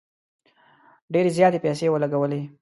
ډیري زیاتي پیسې ولګولې.